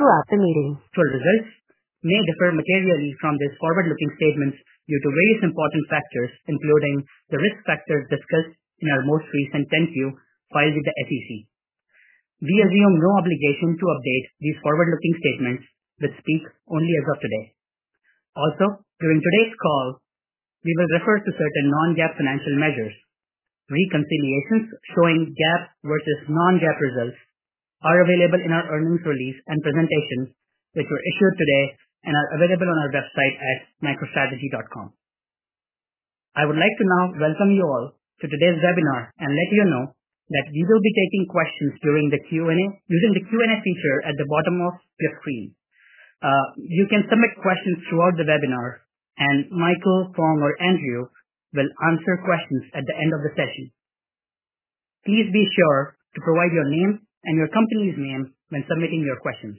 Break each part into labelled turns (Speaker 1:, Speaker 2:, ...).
Speaker 1: Full results may differ materially from these forward-looking statements due to various important factors, including the risk factors discussed in our most recent 10-Q filed with the SEC. We assume no obligation to update these forward-looking statements, which speak only as of today. During today's call, we will refer to certain non-GAAP financial measures. Reconciliations showing GAAP versus non-GAAP results are available in our earnings release and presentations, which were issued today and are available on our website at MicroStrategy.com. I would like to now welcome you all to today's webinar and let you know that we will be taking questions using the Q&A feature at the bottom of your screen. You can submit questions throughout the webinar, Michael, Phong, or Andrew will answer questions at the end of the session. Please be sure to provide your name and your company's name when submitting your questions.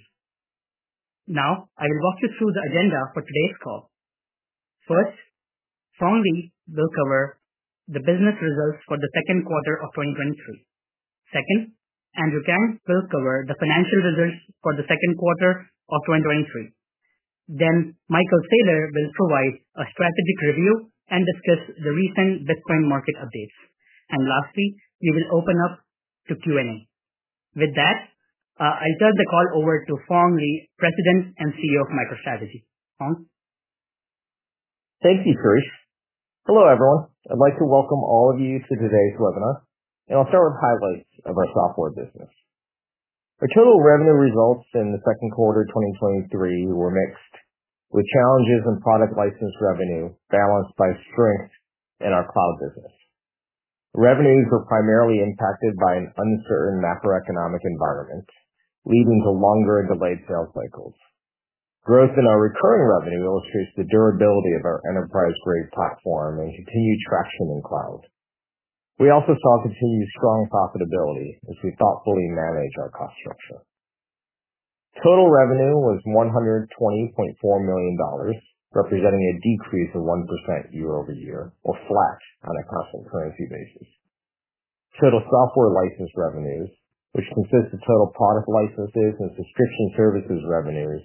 Speaker 1: Now, I will walk you through the agenda for today's call. First, Phong Le will cover the business results for the second quarter of 2023. Second, Andrew Kang will cover the financial results for the second quarter of 2023. Michael Saylor will provide a strategic review and discuss the recent Bitcoin market updates. Lastly, we will open up to Q&A. With that, I turn the call over to Phong Le, President and CEO of MicroStrategy. Phong?
Speaker 2: Thank you, Shirish. Hello, everyone. I'd like to welcome all of you to today's webinar, and I'll start with highlights of our software business. Our total revenue results in the second quarter of 2023 were mixed, with challenges in product license revenue balanced by strength in our Cloud business. Revenues were primarily impacted by an uncertain macroeconomic environment, leading to longer and delayed sales cycles. Growth in our recurring revenue illustrates the durability of our enterprise-grade platform and continued traction in Cloud. We also saw continued strong profitability as we thoughtfully manage our cost structure. Total revenue was $120.4 million, representing a decrease of 1% year-over-year or flat on a constant currency basis. Total software license revenues, which consist of total product licenses and subscription services revenues,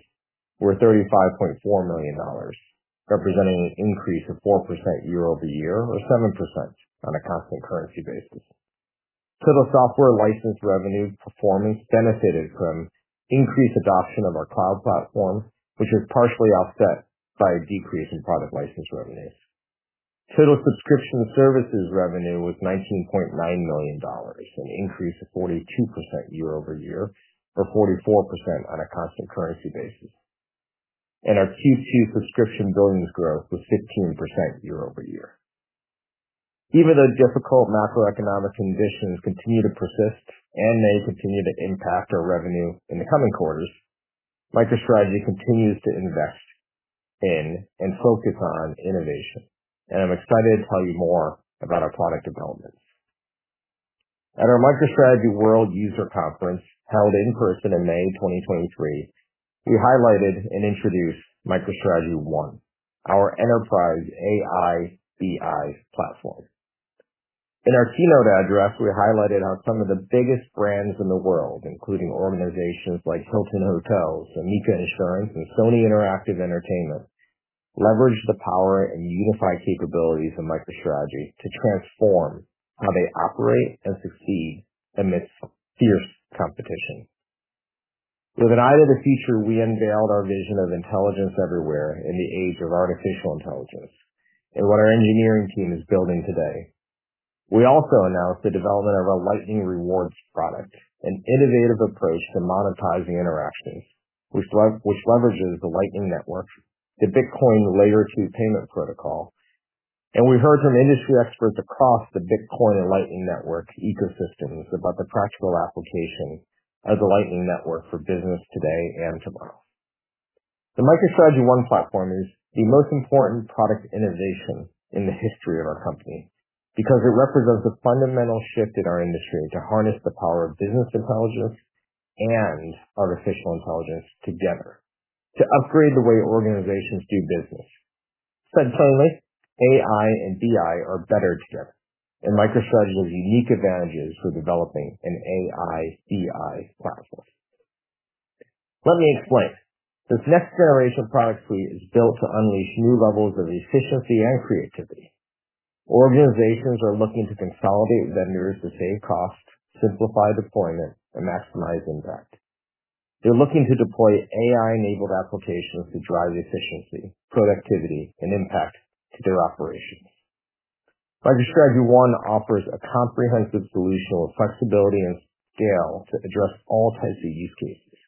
Speaker 2: were $35.4 million, representing an increase of 4% year-over-year or 7% on a constant currency basis. Total software license revenue performance benefited from increased adoption of our Cloud platform, which was partially offset by a decrease in product license revenues. Total subscription services revenue was $19.9 million, an increase of 42% year-over-year or 44% on a constant currency basis, and our Q2 subscription billings growth was 15% year-over-year. Even though difficult macroeconomic conditions continue to persist and may continue to impact our revenue in the coming quarters, MicroStrategy continues to invest in and focus on innovation, and I'm excited to tell you more about our product developments. At our MicroStrategy World User Conference, held in person in May 2023, we highlighted and introduced MicroStrategy ONE, our enterprise AI/BI platform. In our keynote address, we highlighted how some of the biggest brands in the world, including organizations like Hilton Hotels, Amica Insurance, and Sony Interactive Entertainment, leverage the power and unified capabilities of MicroStrategy to transform how they operate and succeed amidst fierce competition. With an eye to the future, we unveiled our vision of intelligence everywhere in the age of artificial intelligence and what our engineering team is building today. We also announced the development of our Lightning Rewards product, an innovative approach to monetizing interactions, which leverages the Lightning Network, the Bitcoin layer two payment protocol, and we heard from industry experts across the Bitcoin and Lightning Network ecosystems about the practical application of the Lightning Network for business today and tomorrow. The MicroStrategy ONE platform is the most important product innovation in the history of our company because it represents a fundamental shift in our industry to harness the power of business intelligence and artificial intelligence together to upgrade the way organizations do business. Said plainly, AI and BI are better together, and MicroStrategy has unique advantages for developing an AI/BI platform. Let me explain. This next generation product suite is built to unleash new levels of efficiency and creativity. Organizations are looking to consolidate vendors to save costs, simplify deployment, and maximize impact. They're looking to deploy AI-enabled applications to drive efficiency, productivity, and impact to their operations. MicroStrategy ONE offers a comprehensive solution with flexibility and scale to address all types of use cases.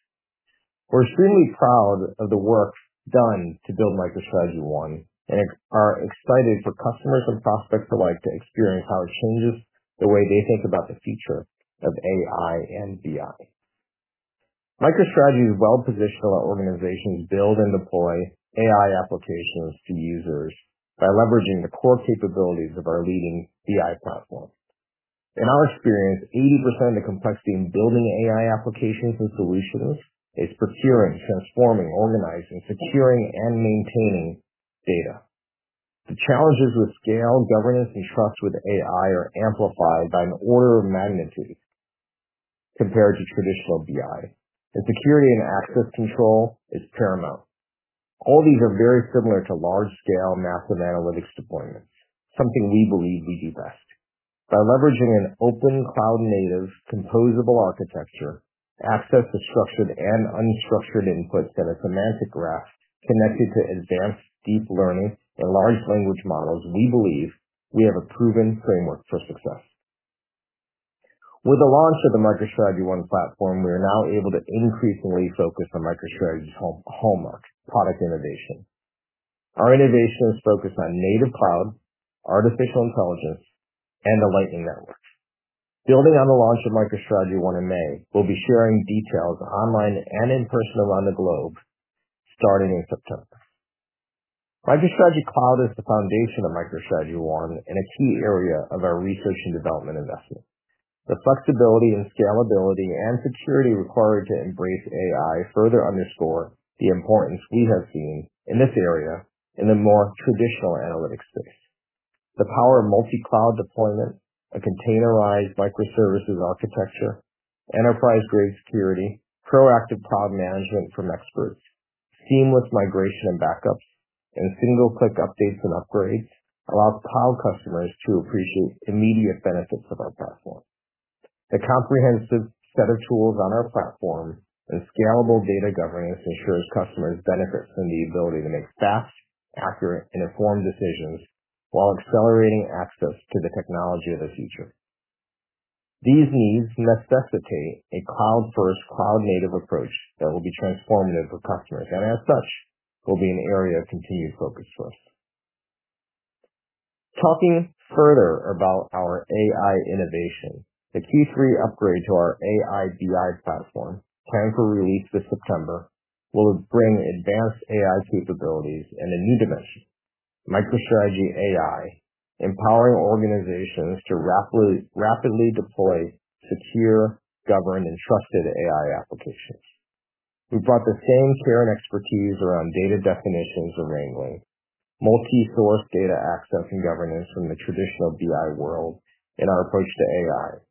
Speaker 2: We're extremely proud of the work done to build MicroStrategy ONE and are excited for customers and prospects alike to experience how it changes the way they think about the future of AI and BI. MicroStrategy is well positioned to help organizations build and deploy AI applications to users by leveraging the core capabilities of our leading BI platform. In our experience, 80% of the complexity in building AI applications and solutions is procuring, transforming, organizing, securing, and maintaining data. The challenges with scale, governance, and trust with AI are amplified by an order of magnitude compared to traditional BI, and security and access control is paramount. All these are very similar to large-scale massive analytics deployments, something we believe we do best. By leveraging an open, cloud-native, composable architecture, access to structured and unstructured inputs that are semantic graph connected to advanced deep learning and large language models, we believe we have a proven framework for success. With the launch of the MicroStrategy ONE platform, we are now able to increasingly focus on MicroStrategy's hallmark product innovation. Our innovations focus on native cloud, artificial intelligence, and the Lightning Network. Building on the launch of MicroStrategy ONE in May, we'll be sharing details online and in person around the globe starting in September. MicroStrategy Cloud is the foundation of MicroStrategy ONE and a key area of our research and development investment. The flexibility and scalability and security required to embrace AI further underscore the importance we have seen in this area in a more traditional analytics space. The power of multi-cloud deployment, a containerized microservices architecture, enterprise-grade security, proactive cloud management from experts, seamless migration and backups, and single-click updates and upgrades allows Cloud customers to appreciate immediate benefits of our platform. The comprehensive set of tools on our platform and scalable data governance ensures customers benefit from the ability to make fast, accurate, and informed decisions while accelerating access to the technology of the future. These needs necessitate a cloud-first, cloud-native approach that will be transformative for customers, and as such, will be an area of continued focus for us. Talking further about our AI innovation, the Q3 upgrade to our AI/BI platform, planned for release this September, will bring advanced AI capabilities and a new dimension, MicroStrategy AI, empowering organizations to rapidly, rapidly deploy secure, governed, and trusted AI applications. We've brought the same care and expertise around data definitions and naming, multi-source data access and governance from the traditional BI world in our approach to AI.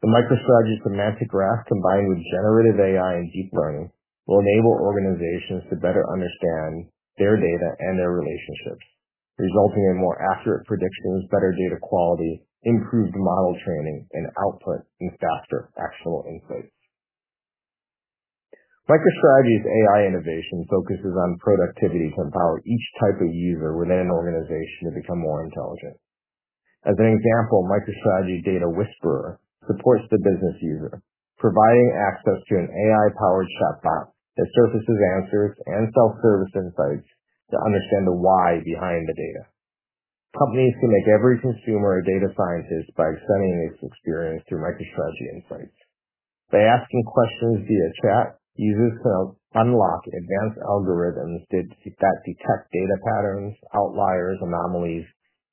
Speaker 2: The MicroStrategy Semantic Graph, combined with generative AI and deep learning, will enable organizations to better understand their data and their relationships, resulting in more accurate predictions, better data quality, improved model training and output, and faster actual insights. MicroStrategy's AI innovation focuses on productivity to empower each type of user within an organization to become more intelligent. As an example, MicroStrategy Data Whisperer supports the business user, providing access to an AI-powered chatbot that surfaces answers and self-service insights to understand the why behind the data. Companies can make every consumer a data scientist by extending this experience through MicroStrategy Insights. By asking questions via chat, users can unlock advanced algorithms that detect data patterns, outliers, anomalies,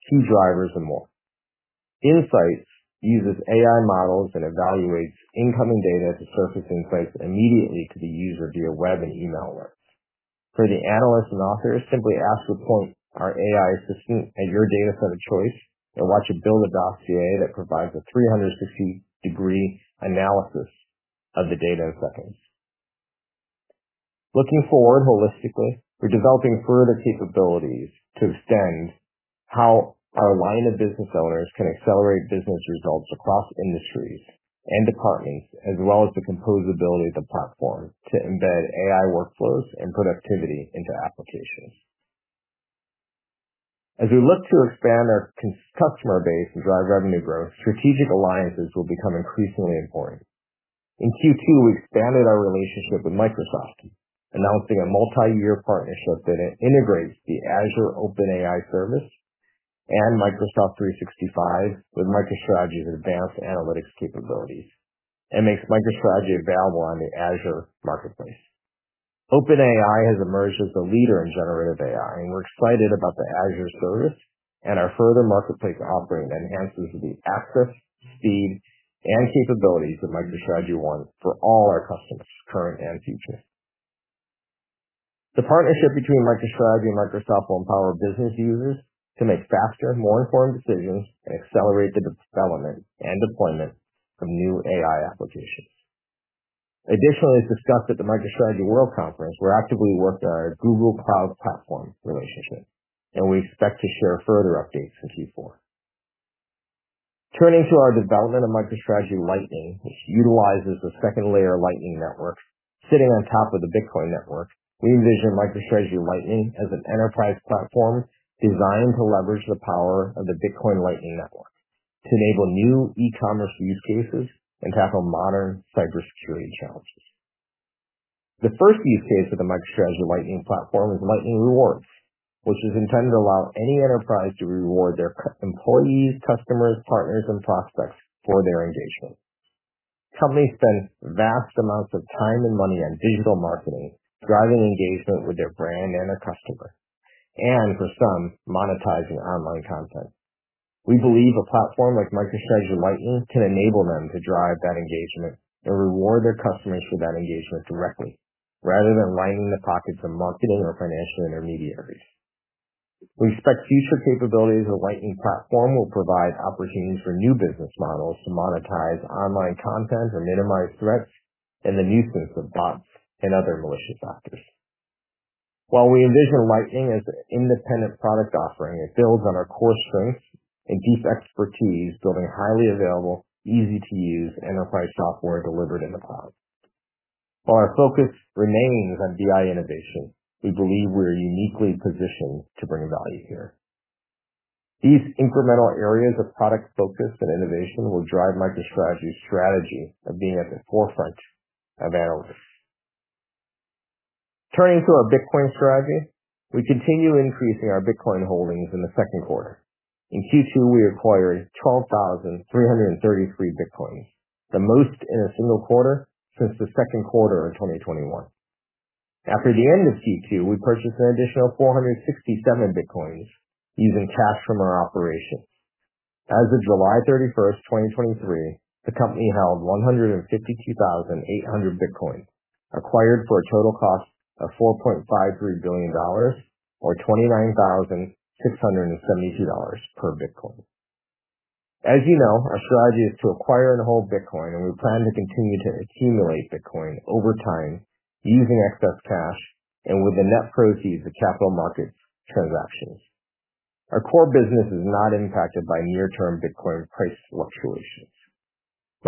Speaker 2: key drivers, and more. Insights uses AI models and evaluates incoming data to surface insights immediately to the user via web and email alerts. For the analyst and author, simply ask to point our AI assistant at your data set of choice and watch it build a Dossier that provides a 360-degree analysis of the data in seconds. Looking forward holistically, we're developing further capabilities to extend how our line of business owners can accelerate business results across industries and departments, as well as the composability of the platform to embed AI workflows and productivity into applications. As we look to expand our customer base and drive revenue growth, strategic alliances will become increasingly important. In Q2, we expanded our relationship with Microsoft, announcing a multi-year partnership that integrates the Azure OpenAI Service and Microsoft 365 with MicroStrategy's advanced analytics capabilities and makes MicroStrategy available on the Azure Marketplace. OpenAI has emerged as the leader in generative AI. We're excited about the Azure service and our further marketplace offering that enhances the access, speed, and capabilities of MicroStrategy ONE for all our customers, current and future. The partnership between MicroStrategy and Microsoft will empower business users to make faster and more informed decisions and accelerate the development and deployment of new AI applications. Additionally, as discussed at the MicroStrategy World Conference, we're actively working on our Google Cloud Platform relationship. We expect to share further updates in Q4. Turning to our development of MicroStrategy Lightning, which utilizes the second layer Lightning Network sitting on top of the Bitcoin network, we envision MicroStrategy Lightning as an enterprise platform designed to leverage the power of the Bitcoin Lightning Network to enable new e-commerce use cases and tackle modern cybersecurity challenges. The first use case for the MicroStrategy Lightning platform is Lightning Rewards, which is intended to allow any enterprise to reward their employees, customers, partners, and prospects for their engagement. Companies spend vast amounts of time and money on digital marketing, driving engagement with their brand and their customer, and for some, monetizing online content. We believe a platform like MicroStrategy Lightning can enable them to drive that engagement and reward their customers for that engagement directly, rather than lining the pockets of marketing or financial intermediaries. We expect future capabilities of the Lightning platform will provide opportunities for new business models to monetize online content and minimize threats and the nuisance of bots and other malicious actors. While we envision Lightning as an independent product offering, it builds on our core strengths and deep expertise, building highly available, easy-to-use enterprise software delivered in the cloud. While our focus remains on BI innovation, we believe we are uniquely positioned to bring value here. These incremental areas of product focus and innovation will drive MicroStrategy's strategy of being at the forefront of analytics. Turning to our Bitcoin strategy, we continue increasing our Bitcoin holdings in the second quarter. In Q2, we acquired 12,333 Bitcoins, the most in a single quarter since the second quarter of 2021. After the end of Q2, we purchased an additional 467 Bitcoins using cash from our operations. As of July 31, 2023, the company held 152,800 Bitcoin, acquired for a total cost of $4.53 billion or $29,672 per Bitcoin. As you know, our strategy is to acquire and hold Bitcoin, and we plan to continue to accumulate Bitcoin over time using excess cash and with the net proceeds of capital market transactions. Our core business is not impacted by near-term Bitcoin price fluctuations.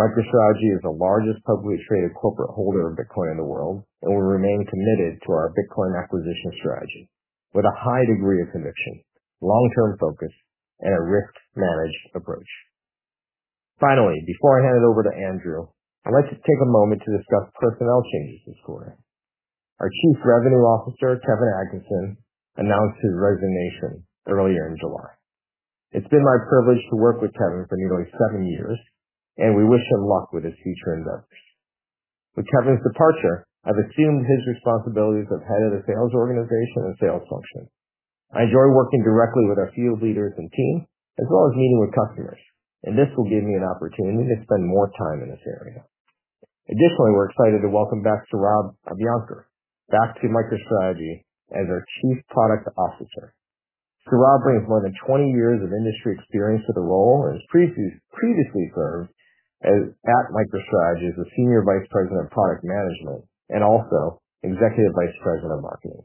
Speaker 2: MicroStrategy is the largest publicly traded corporate holder of Bitcoin in the world and will remain committed to our Bitcoin acquisition strategy with a high degree of conviction, long-term focus, and a risk-managed approach. Finally, before I hand it over to Andrew, I'd like to take a moment to discuss personnel changes this quarter. Our Chief Revenue Officer, Kevin Adkisson, announced his resignation earlier in July. It's been my privilege to work with Kevin for nearly seven years, and we wish him luck with his future endeavors. With Kevin's departure, I've assumed his responsibilities of Head of the Sales Organization and Sales function. I enjoy working directly with our field leaders and team, as well as meeting with customers, and this will give me an opportunity to spend more time in this area. Additionally, we're excited to welcome back Saurabh Abhyankar, back to MicroStrategy as our Chief Product Officer. Saurabh brings more than 20 years of industry experience to the role and has previously served as, at MicroStrategy as the Senior Vice President of Product Management and also Executive Vice President of Marketing.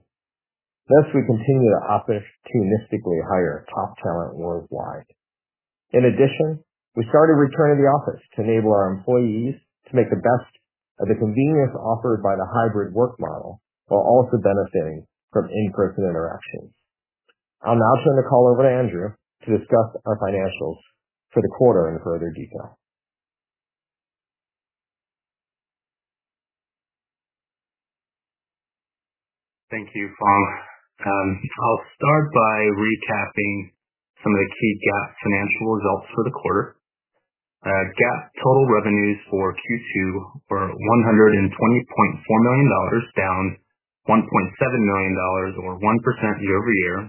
Speaker 2: Thus, we continue to opportunistically hire top talent worldwide. In addition, we started returning to the office to enable our employees to make the best of the convenience offered by the hybrid work model, while also benefiting from in-person interactions. I'll now turn the call over to Andrew to discuss our financials for the quarter in further detail.
Speaker 3: Thank you, Phong. I'll start by recapping some of the key GAAP financial results for the quarter. GAAP total revenues for Q2 were $120.4 million, down $1.7 million or 1% year-over-year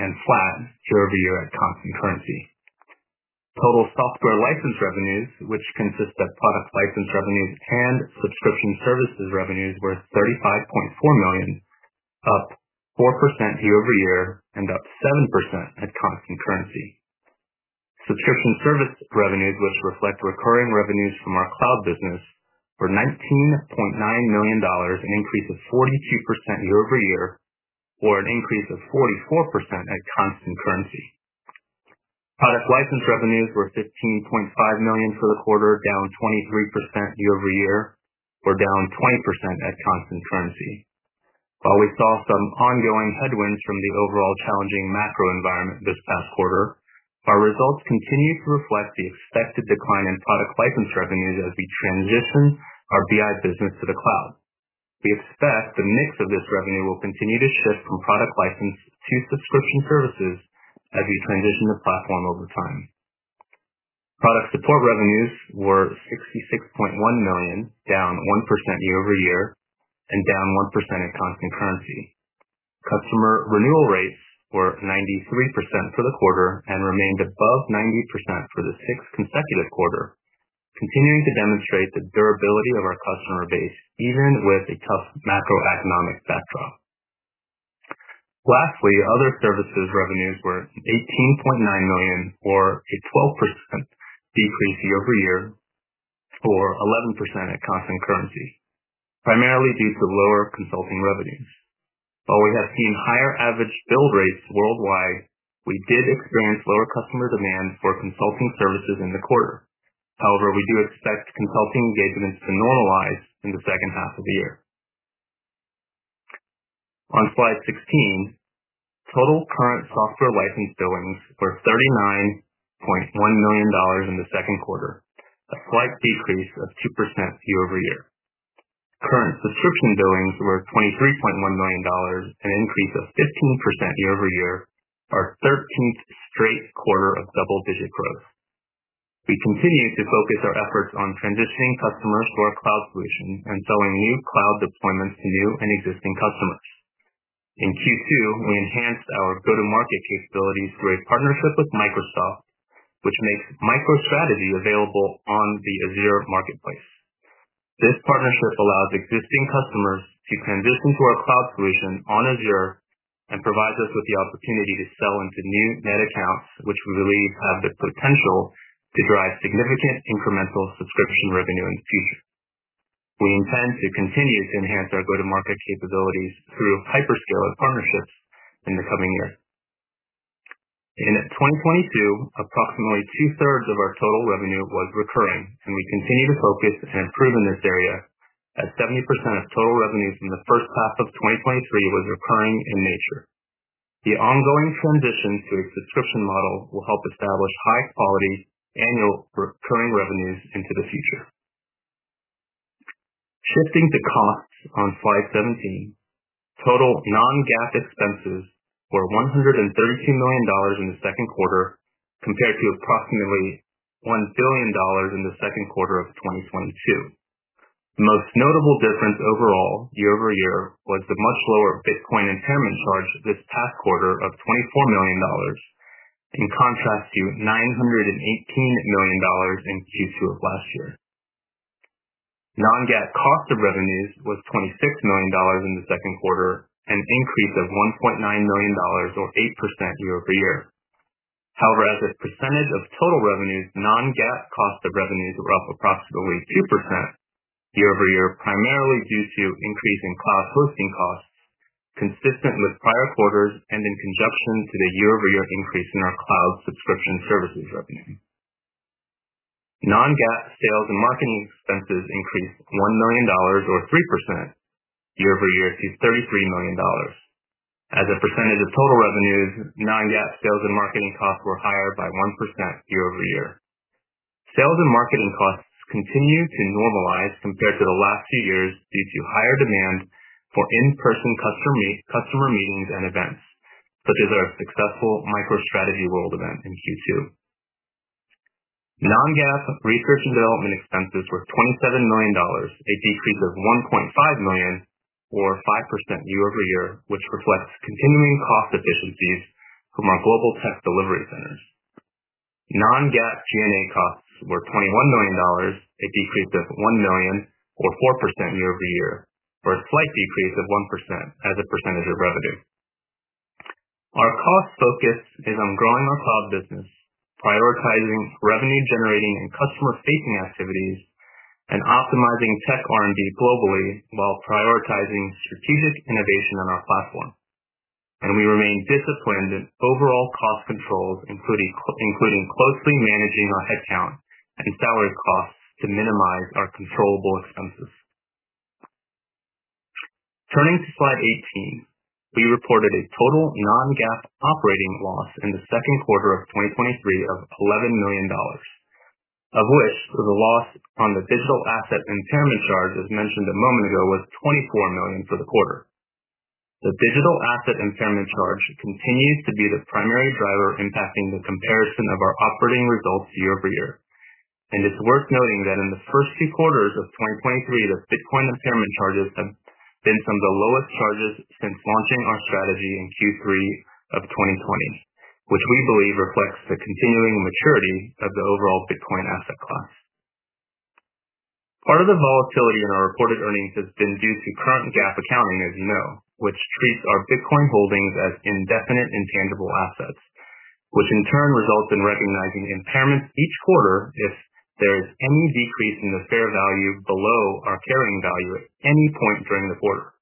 Speaker 3: and flat year-over-year at constant currency. Total software license revenues, which consist of product license revenues and subscription services revenues, were $35.4 million, up 4% year-over-year and up 7% at constant currency. Subscription service revenues, which reflect recurring revenues from our Cloud business, were $19.9 million, an increase of 42% year-over-year, or an increase of 44% at constant currency. Product license revenues were $15.5 million for the quarter, down 23% year-over-year, or down 20% at constant currency. While we saw some ongoing headwinds from the overall challenging macro environment this past quarter, our results continue to reflect the expected decline in product license revenues as we transition our BI business to the cloud. We expect the mix of this revenue will continue to shift from product license to subscription services as we transition the platform over time. Product support revenues were $66.1 million, down 1% year-over-year and down 1% at constant currency. Customer renewal rates were 93% for the quarter and remained above 90% for the sixth consecutive quarter, continuing to demonstrate the durability of our customer base, even with a tough macroeconomic backdrop. Lastly, other services revenues were $18.9 million, or a 12% decrease year-over-year, or 11% at constant currency, primarily due to lower consulting revenues. While we have seen higher average bill rates worldwide, we did experience lower customer demand for consulting services in the quarter. We do expect consulting engagements to normalize in the second half of the year. On slide 16, total current software license billings were $39.1 million in the second quarter, a slight decrease of 2% year-over-year. Current subscription billings were $23.1 million, an increase of 15% year-over-year, our 13th straight quarter of double-digit growth. We continue to focus our efforts on transitioning customers to our cloud solution and selling new cloud deployments to new and existing customers. In Q2, we enhanced our go-to-market capabilities through a partnership with Microsoft, which makes MicroStrategy available on the Azure Marketplace. This partnership allows existing customers to transition to our cloud solution on Azure and provides us with the opportunity to sell into new net accounts, which we believe have the potential to drive significant incremental subscription revenue in the future. We intend to continue to enhance our go-to-market capabilities through hyperscaler partnerships in the coming year. In 2022, approximately 2/3 of our total revenue was recurring, and we continue to focus and improve in this area, as 70% of total revenues in the first half of 2023 was recurring in nature. The ongoing transition to a subscription model will help establish high quality annual recurring revenues into the future. Shifting to costs on slide 17, total non-GAAP expenses were $132 million in the second quarter, compared to approximately $1 billion in the second quarter of 2022. The most notable difference overall year-over-year was the much lower Bitcoin impairment charge this past quarter of $24 million, in contrast to $918 million in Q2 of last year. Non-GAAP cost of revenues was $26 million in the second quarter, an increase of $1.9 million or 8% year-over-year. As a percentage of total revenues, non-GAAP cost of revenues were up approximately 2% year-over-year, primarily due to increase in cloud hosting costs, consistent with prior quarters and in conjunction to the year-over-year increase in our Cloud subscription services revenue. Non-GAAP sales and marketing expenses increased $1 million or 3% year-over-year to $33 million. As a percentage of total revenues, non-GAAP sales and marketing costs were higher by 1% year-over-year. Sales and marketing costs continue to normalize compared to the last two years due to higher demand for in-person customer meetings and events, such as our successful MicroStrategy World event in Q2. Non-GAAP research and development expenses were $27 million, a decrease of $1.5 million or 5% year-over-year, which reflects continuing cost efficiencies from our global tech delivery centers. Non-GAAP G&A costs were $21 million, a decrease of $1 million or 4% year-over-year, or a slight decrease of 1% as a percentage of revenue. Our cost focus is on growing our Cloud business, prioritizing revenue generating and customer-facing activities, and optimizing tech R&D globally while prioritizing strategic innovation on our platform. We remain disciplined in overall cost controls, including closely managing our headcount and salary costs to minimize our controllable expenses. Turning to slide 18, we reported a total non-GAAP operating loss in the second quarter of 2023 of $11 million, of which the loss on the digital asset impairment charge, as mentioned a moment ago, was $24 million for the quarter. The digital asset impairment charge continues to be the primary driver impacting the comparison of our operating results year-over-year. It's worth noting that in the first two quarters of 2023, the Bitcoin impairment charges have been some of the lowest charges since launching our strategy in Q3 of 2020, which we believe reflects the continuing maturity of the overall Bitcoin asset class. Part of the volatility in our reported earnings has been due to current GAAP accounting, as you know, which treats our Bitcoin holdings as indefinite intangible assets, which in turn results in recognizing impairments each quarter if there's any decrease in the fair value below our carrying value at any point during the quarter.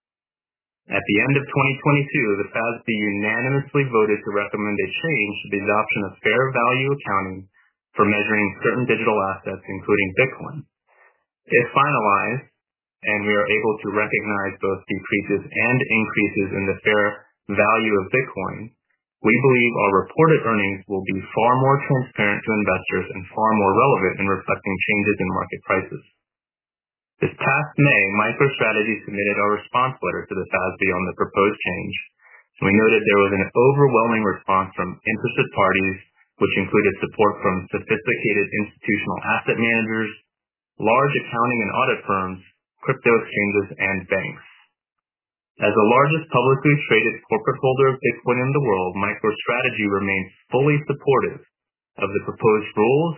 Speaker 3: At the end of 2022, the FASB unanimously voted to recommend a change to the adoption of fair value accounting for measuring certain digital assets, including Bitcoin. If finalized, and we are able to recognize both decreases and increases in the fair value of Bitcoin, we believe our reported earnings will be far more transparent to investors and far more relevant in reflecting changes in market prices. This past May, MicroStrategy submitted a response letter to the FASB on the proposed change. We noted there was an overwhelming response from interested parties, which included support from sophisticated institutional asset managers, large accounting and audit firms, crypto exchanges, and banks. As the largest publicly traded corporate holder of Bitcoin in the world, MicroStrategy remains fully supportive of the proposed rules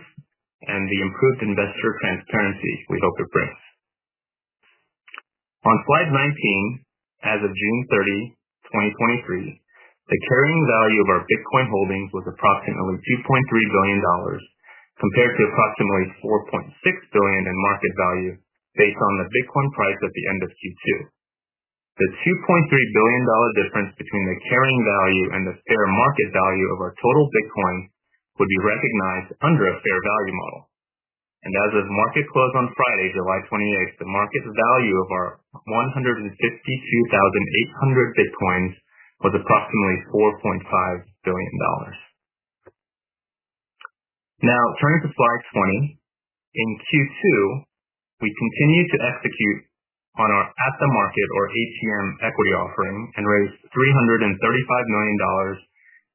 Speaker 3: and the improved investor transparency we hope it brings. On slide 19, as of June 30, 2023, the carrying value of our Bitcoin holdings was approximately $2.3 billion, compared to approximately $4.6 billion in market value based on the Bitcoin price at the end of Q2. The $2.3 billion difference between the carrying value and the fair market value of our total Bitcoin would be recognized under a fair value model. As of market close on Friday, July 28th, the market value of our 152,800 Bitcoins was approximately $4.5 billion. Turning to slide 20. In Q2, we continued to execute on our at-the-market, or ATM, equity offering and raised $335 million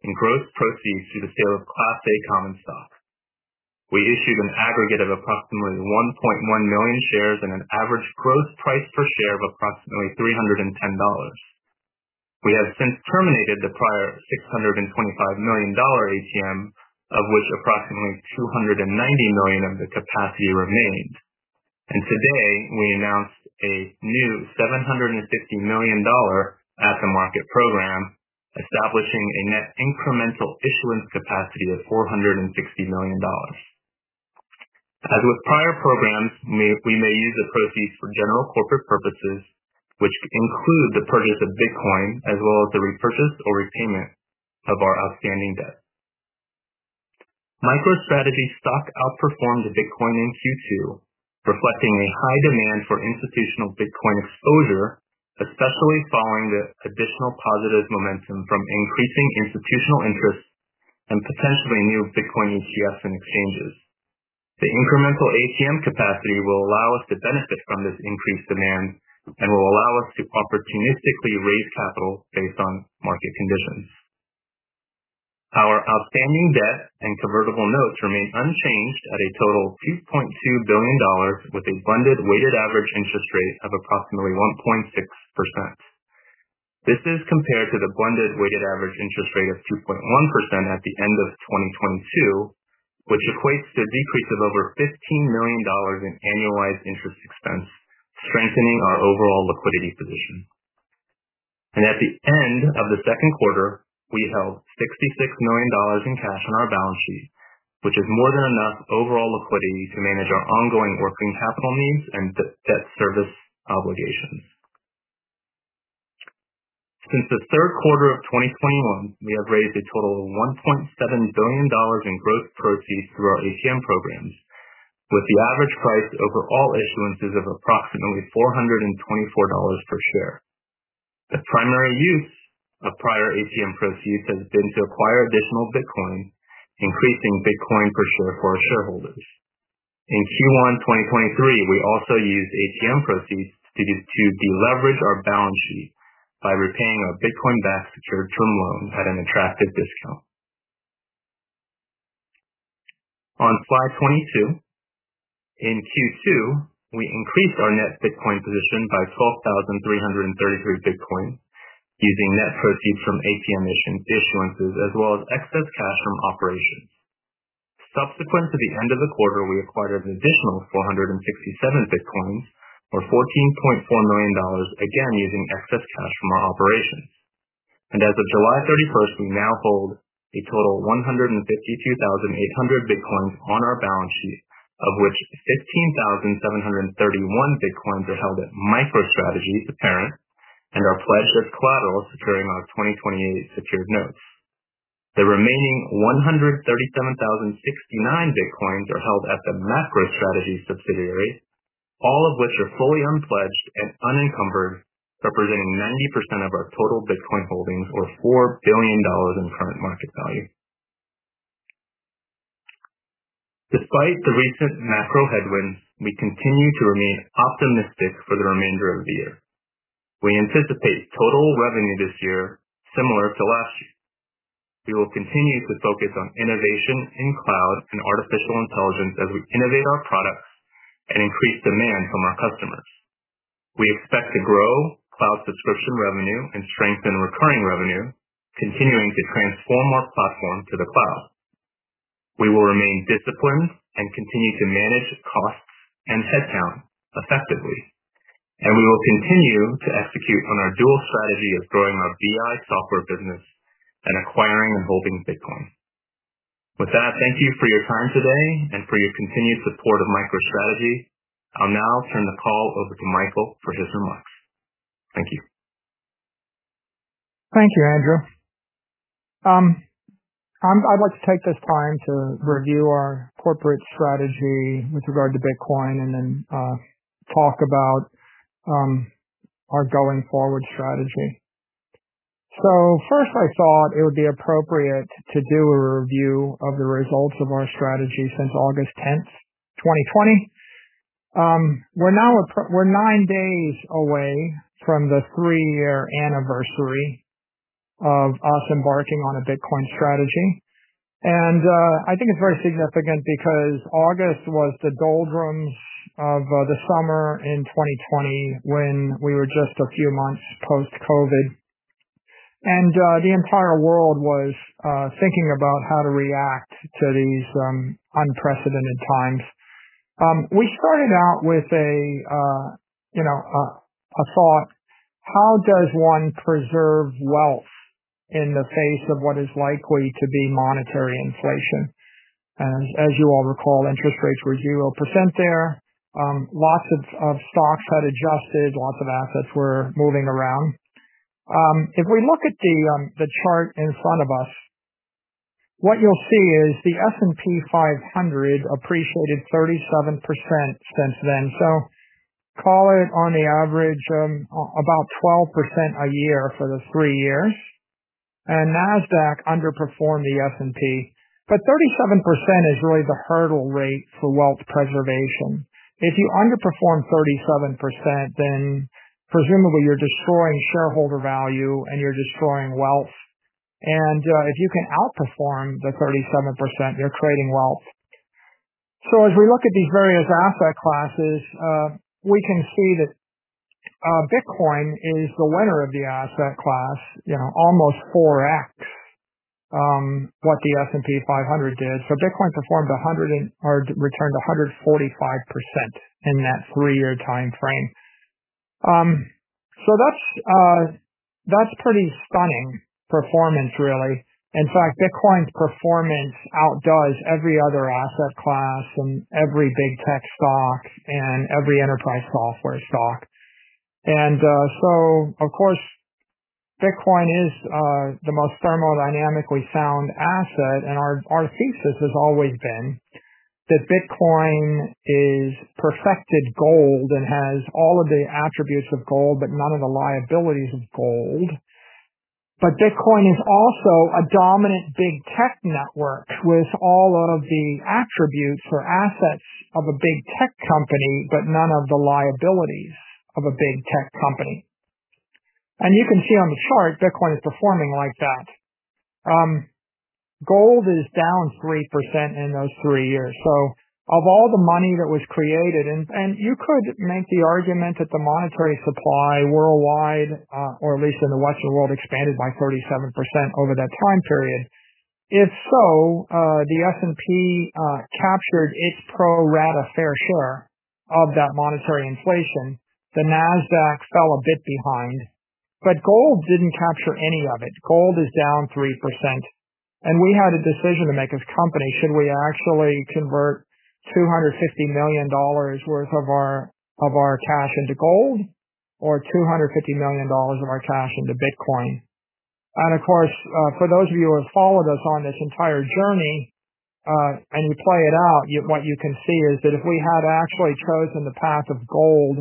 Speaker 3: in gross proceeds through the sale of Class A common stock. We issued an aggregate of approximately 1.1 million shares and an average gross price per share of approximately $310. We have since terminated the prior $625 million ATM, of which approximately $290 million of the capacity remained. Today, we announced a new $750 million at-the-market program, establishing a net incremental issuance capacity of $460 million. As with prior programs, we may use the proceeds for general corporate purposes, which include the purchase of Bitcoin as well as the repurchase or repayment of our outstanding debt. MicroStrategy's stock outperformed the Bitcoin in Q2, reflecting a high demand for institutional Bitcoin exposure, especially following the additional positive momentum from increasing institutional interest and potentially new Bitcoin ETFs and exchanges. The incremental ATM capacity will allow us to benefit from this increased demand and will allow us to opportunistically raise capital based on market conditions. Our outstanding debt and convertible notes remain unchanged at a total $2.2 billion, with a blended weighted average interest rate of approximately 1.6%. This is compared to the blended weighted average interest rate of 2.1% at the end of 2022, which equates to a decrease of over $15 million in annualized interest expense, strengthening our overall liquidity position. At the end of the second quarter, we held $66 million in cash on our balance sheet, which is more than enough overall liquidity to manage our ongoing working capital needs and debt service obligations. Since the third quarter of 2021, we have raised a total of $1.7 billion in gross proceeds through our ATM programs, with the average price over all issuances of approximately $424 per share. The primary use of prior ATM proceeds has been to acquire additional Bitcoin, increasing Bitcoin per share for our shareholders. In Q1 2023, we also used ATM proceeds to deleverage our balance sheet by repaying our Bitcoin-backed secured term loan at an attractive discount. On slide 22, in Q2, we increased our net Bitcoin position by 12,333 Bitcoin, using net proceeds from ATM issuance as well as excess cash from operations. Subsequent to the end of the quarter, we acquired an additional 467 Bitcoins, or $14.4 million, again, using excess cash from our operations. As of July 31st, we now hold a total of 152,800 Bitcoins on our balance sheet, of which 15,731 Bitcoins are held at MicroStrategy's parent and are pledged as collateral securing our 2028 secured notes. The remaining 137,069 Bitcoins are held at the MacroStrategy subsidiary, all of which are fully unpledged and unencumbered, representing 90% of our total Bitcoin holdings, or $4 billion in current market value. Despite the recent macro headwinds, we continue to remain optimistic for the remainder of the year. We anticipate total revenue this year similar to last year. We will continue to focus on innovation in Cloud and artificial intelligence as we innovate our products and increase demand from our customers. We expect to grow Cloud subscription revenue and strengthen recurring revenue, continuing to transform our platform to the cloud. We will remain disciplined and continue to manage costs and headcount effectively, and we will continue to execute on our dual strategy of growing our BI software business and acquiring and holding Bitcoin. With that, thank you for your time today and for your continued support of MicroStrategy. I'll now turn the call over to Michael for his remarks. Thank you.
Speaker 4: Thank you, Andrew. I'd like to take this time to review our corporate strategy with regard to Bitcoin and then talk about our going forward strategy. First, I thought it would be appropriate to do a review of the results of our strategy since August 10, 2020. We're now we're nine days away from the three-year anniversary of us embarking on a Bitcoin strategy. I think it's very significant because August was the doldrums of the summer in 2020, when we were just a few months post-COVID. The entire world was thinking about how to react to these unprecedented times. We started out with a, you know, a thought: How does one preserve wealth in the face of what is likely to be monetary inflation? As you all recall, interest rates were 0% there. Lots of stocks had adjusted, lots of assets were moving around. If we look at the chart in front of us, what you'll see is the S&P 500 appreciated 37% since then. Call it on the average, about 12% a year for the 3 years. Nasdaq underperformed the S&P, but 37% is really the hurdle rate for wealth preservation. If you underperform 37%, then presumably you're destroying shareholder value and you're destroying wealth. If you can outperform the 37%, you're creating wealth. As we look at these various asset classes, we can see that Bitcoin is the winner of the asset class, you know, almost 4x what the S&P 500 did. Bitcoin returned 145% in that 3-year timeframe. That's pretty stunning performance, really. In fact, Bitcoin's performance outdoes every other asset class and every big tech stock and every enterprise software stock. Of course, Bitcoin is the most thermodynamically sound asset. Our thesis has always been that Bitcoin is perfected gold and has all of the attributes of gold, but none of the liabilities of gold. Bitcoin is also a dominant big tech network with all of the attributes or assets of a big tech company, but none of the liabilities of a big tech company. You can see on the chart, Bitcoin is performing like that. Gold is down 3% in those 3 years. Of all the money that was created and, and you could make the argument that the monetary supply worldwide, or at least in the Western world, expanded by 37% over that time period. If so, the S&P captured its pro rata fair share of that monetary inflation. The NASDAQ fell a bit behind, but gold didn't capture any of it. Gold is down 3%, and we had a decision to make as a company, should we actually convert $250 million worth of our, of our cash into gold or $250 million of our cash into Bitcoin? Of course, for those of you who have followed us on this entire journey, and you play it out, what you can see is that if we had actually chosen the path of gold,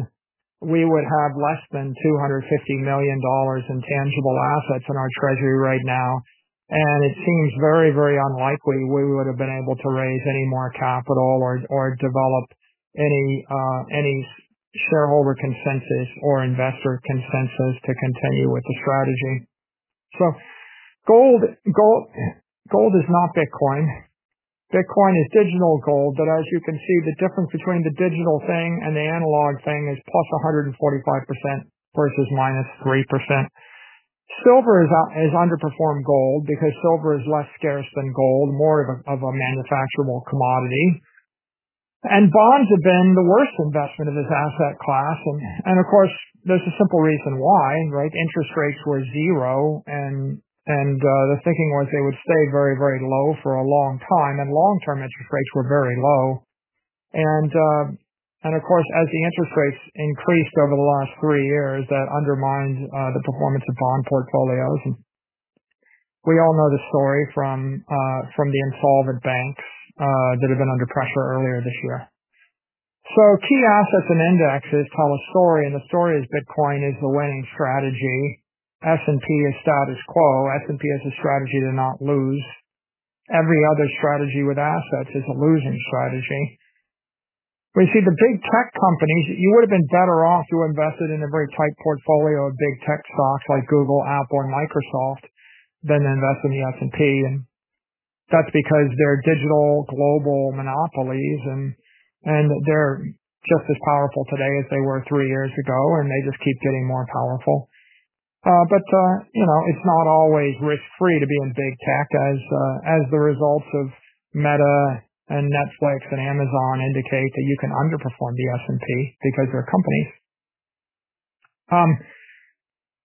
Speaker 4: we would have less than $250 million in tangible assets in our treasury right now. It seems very, very unlikely we would have been able to raise any more capital or, or develop any, any shareholder consensus or investor consensus to continue with the strategy. Gold, gold, gold is not Bitcoin. Bitcoin is digital gold, but as you can see, the difference between the digital thing and the analog thing is +145% versus -3%. Silver has underperformed gold because silver is less scarce than gold, more of a, of a manufacturable commodity, and bonds have been the worst investment of this asset class. And of course, there's a simple reason why, right? Interest rates were zero and, and the thinking was they would stay very, very low for a long time, and long-term interest rates were very low. And of course, as the interest rates increased over the last three years, that undermined the performance of bond portfolios. We all know the story from, from the insolvent banks that have been under pressure earlier this year. Key assets and indexes tell a story, and the story is Bitcoin is the winning strategy. S&P is status quo. S&P has a strategy to not lose. Every other strategy with assets is a losing strategy. We see the big tech companies. You would have been better off to invested in a very tight portfolio of big tech stocks like Google, Apple, or Microsoft, than invest in the S&P. That's because they're digital global monopolies and they're just as powerful today as they were 3 years ago, and they just keep getting more powerful. But, you know, it's not always risk-free to be in big tech as the results of Meta and Netflix and Amazon indicate that you can underperform the S&P because they're companies.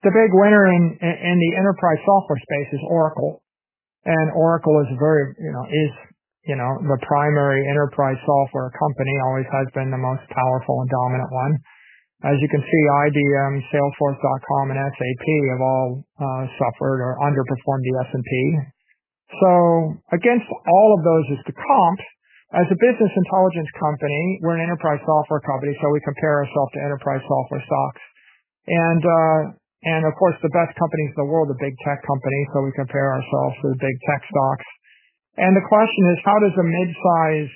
Speaker 4: The big winner in the enterprise software space is Oracle, and Oracle is very, you know, the primary enterprise software company, always has been the most powerful and dominant one. As you can see, IBM, Salesforce.com and SAP have all suffered or underperformed the S&P. Against all of those is the comp. As a business intelligence company, we're an enterprise software company, so we compare ourselves to enterprise software stocks. Of course, the best companies in the world are big tech companies, so we compare ourselves to the big tech stocks. The question is: How does a mid-size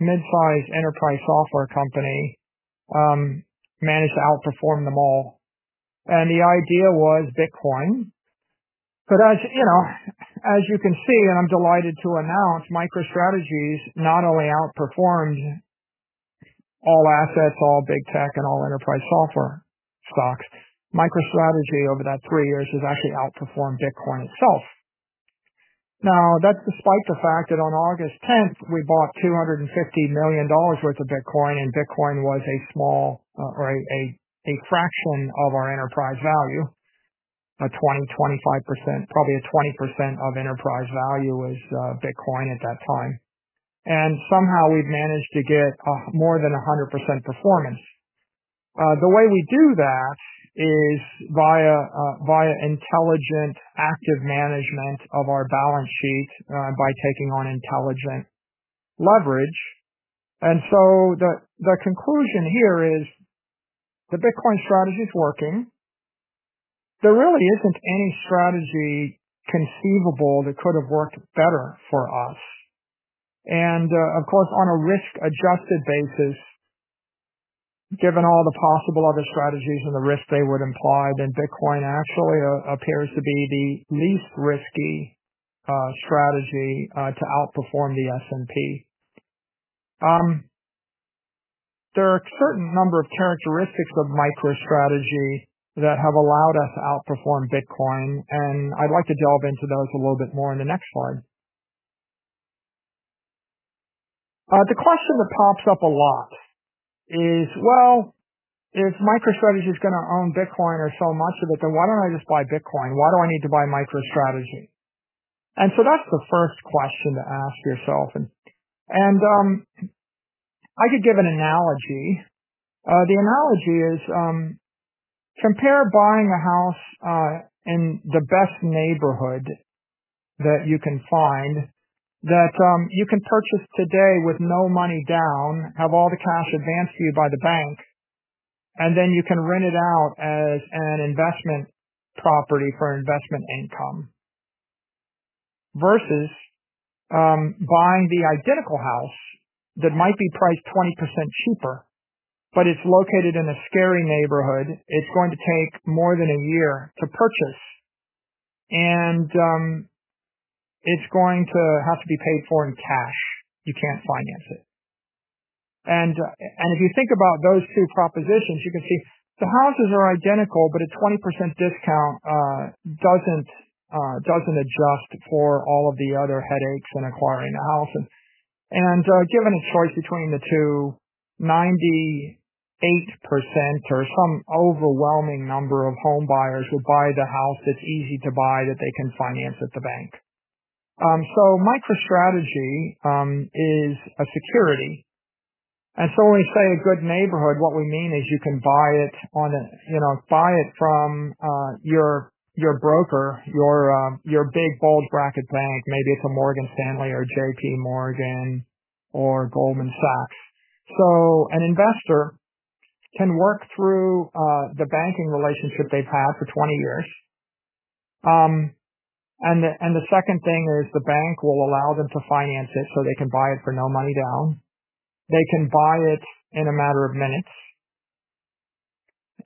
Speaker 4: mid-size enterprise software company manage to outperform them all? The idea was Bitcoin. As you know, as you can see, and I'm delighted to announce, MicroStrategy not only outperformed all assets, all big tech, and all enterprise software stocks, MicroStrategy over that three years has actually outperformed Bitcoin itself. That's despite the fact that on August 10th, we bought $250 million worth of Bitcoin, and Bitcoin was a small, or a, a fraction of our enterprise value, a 20-25%. Probably a 20% of enterprise value was Bitcoin at that time, somehow we've managed to get more than 100% performance. The way we do that is via via intelligent, active management of our balance sheet by taking on intelligent leverage. The conclusion here is, the Bitcoin strategy is working. There really isn't any strategy conceivable that could have worked better for us. Of course, on a risk-adjusted basis, given all the possible other strategies and the risks they would imply, then Bitcoin actually appears to be the least risky strategy to outperform the S&P. There are a certain number of characteristics of MicroStrategy that have allowed us to outperform Bitcoin, and I'd like to delve into those a little bit more in the next slide. The question that pops up a lot is, "Well, if MicroStrategy is gonna own Bitcoin or sell much of it, then why don't I just buy Bitcoin? Why do I need to buy MicroStrategy?" That's the first question to ask yourself, and I could give an analogy. The analogy is, compare buying a house in the best neighborhood that you can find, that you can purchase today with no money down, have all the cash advanced to you by the bank, and then you can rent it out as an investment property for investment income, versus buying the identical house that might be priced 20% cheaper, but it's located in a scary neighborhood. It's going to take more than 1 year to purchase, and it's going to have to be paid for in cash. You can't finance it. If you think about those two propositions, you can see the houses are identical, but a 20% discount doesn't adjust for all of the other headaches in acquiring a house. Given a choice between the two, 98% or some overwhelming number of home buyers will buy the house that's easy to buy, that they can finance at the bank. MicroStrategy is a security, so when we say a good neighborhood, what we mean is you can buy it on a, you know, buy it from your, your broker, your big bulge bracket bank. Maybe it's a Morgan Stanley or JPMorgan or Goldman Sachs. An investor can work through the banking relationship they've had for 20 years. The second thing is the bank will allow them to finance it, so they can buy it for no money down. They can buy it in a matter of minutes.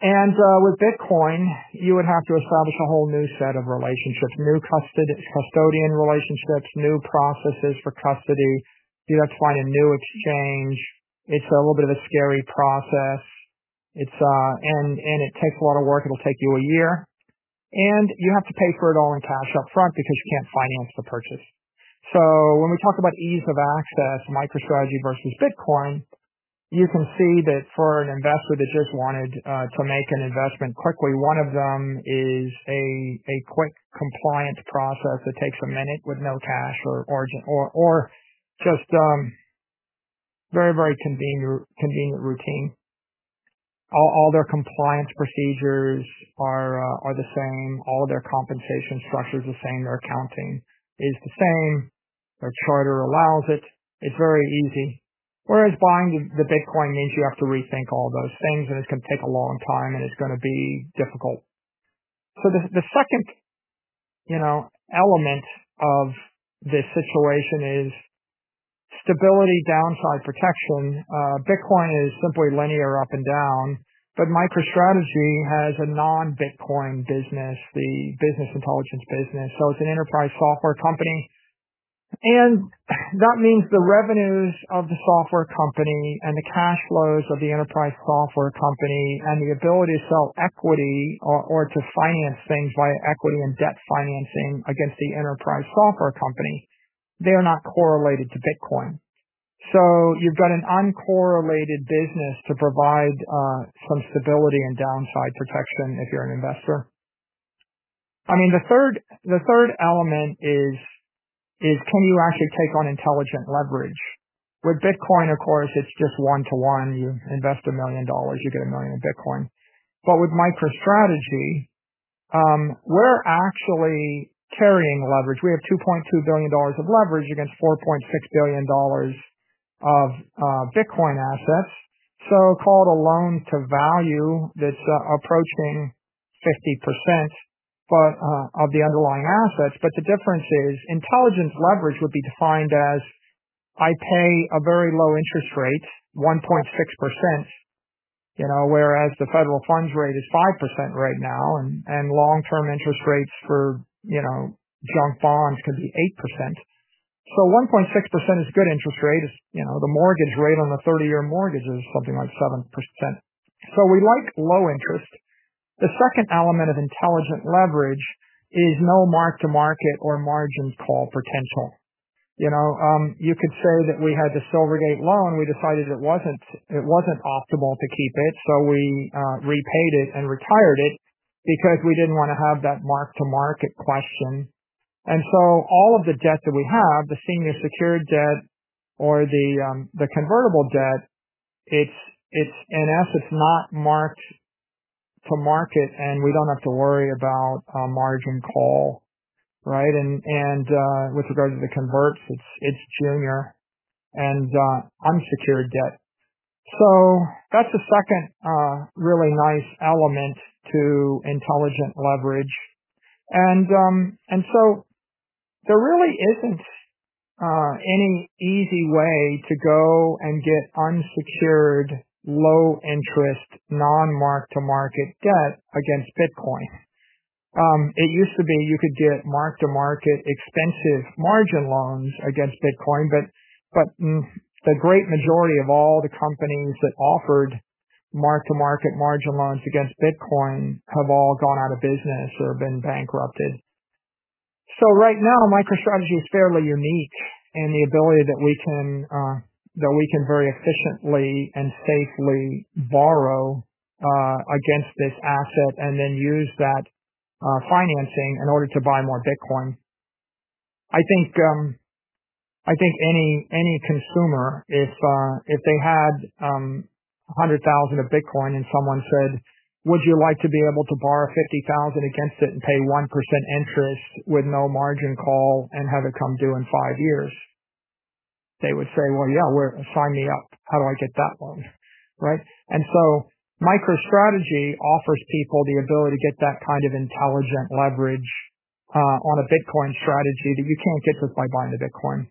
Speaker 4: With Bitcoin, you would have to establish a whole new set of relationships, new custodian relationships, new processes for custody. You'd have to find a new exchange. It's a little bit of a scary process. It takes a lot of work. It'll take you 1 year, and you have to pay for it all in cash upfront because you can't finance the purchase. When we talk about ease of access, MicroStrategy versus Bitcoin, you can see that for an investor that just wanted to make an investment quickly, one of them is a quick compliance process that takes a minute with no cash or very, very convenient, convenient routine. All, all their compliance procedures are the same. All of their compensation structure is the same. Their accounting is the same. Their charter allows it. It's very easy. Whereas buying the Bitcoin means you have to rethink all those things, and it's gonna take a long time, and it's gonna be difficult. The, the second, you know, element of this situation is stability, downside protection. Bitcoin is simply linear up and down, but MicroStrategy has a non-Bitcoin business, the business intelligence business. It's an enterprise software company, and that means the revenues of the software company and the cash flows of the enterprise software company and the ability to sell equity or, or to finance things via equity and debt financing against the enterprise software company, they are not correlated to Bitcoin. You've got an uncorrelated business to provide some stability and downside protection if you're an investor. I mean, the third, the third element is, is can you actually take on intelligent leverage? With Bitcoin, of course, it's just one-to-one. You invest $1 million, you get $1 million in Bitcoin. With MicroStrategy, we're actually carrying leverage. We have $2.2 billion of leverage against $4.6 billion of Bitcoin assets. Call it a loan-to-value that's approaching 50%, but of the underlying assets. The difference is intelligence leverage would be defined as, I pay a very low interest rate, 1.6%, you know, whereas the federal funds rate is 5% right now, and long-term interest rates for, you know, junk bonds could be 8%. 1.6% is a good interest rate. You know, the mortgage rate on a 30-year mortgage is something like 7%. We like low interest. The second element of intelligent leverage is no mark-to-market or margin call potential. You know, you could say that we had the Silvergate loan. We decided it wasn't, it wasn't optimal to keep it, so we repaid it and retired it because we didn't want to have that mark-to-market question. All of the debt that we have, the senior secured debt or the convertible debt, it's, it's an asset not mark-to-market, and we don't have to worry about a margin call, right? With regard to the converts, it's, it's junior and unsecured debt. That's the second really nice element to intelligent leverage. There really isn't any easy way to go and get unsecured, low interest, non-mark-to-market debt against Bitcoin. It used to be you could get mark-to-market, expensive margin loans against Bitcoin, but the great majority of all the companies that offered mark-to-market margin loans against Bitcoin have all gone out of business or been bankrupted. Right now, MicroStrategy is fairly unique in the ability that we can, that we can very efficiently and safely borrow, against this asset and then use that financing in order to buy more Bitcoin. I think, I think any, any consumer, if, if they had, 100,000 of Bitcoin and someone said, "Would you like to be able to borrow $50,000 against it and pay 1% interest with no margin call and have it come due in 5 years?" They would say, "Well, yeah, sign me up. How do I get that loan?" Right? MicroStrategy offers people the ability to get that kind of intelligent leverage, on a Bitcoin strategy that you can't get just by buying the Bitcoin.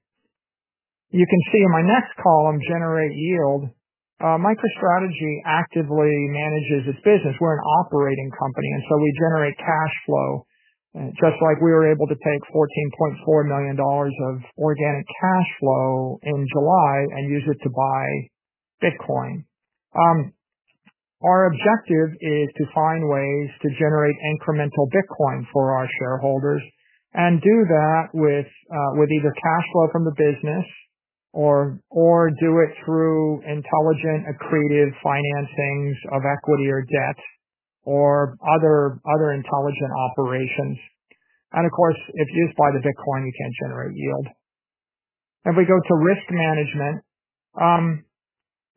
Speaker 4: You can see in my next column, Generate Yield. MicroStrategy actively manages its business. We're an operating company, and so we generate cash flow, just like we were able to take $14.4 million of organic cash flow in July and use it to buy Bitcoin. Our objective is to find ways to generate incremental Bitcoin for our shareholders and do that with either cash flow from the business or, or do it through intelligent, accretive financings of equity or debt or other, other intelligent operations. Of course, if you just buy the Bitcoin, you can't generate yield. If we go to risk management,